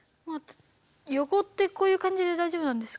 ヨコってこういうかんじで大丈夫なんですか？